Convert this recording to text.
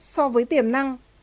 so với tiềm năng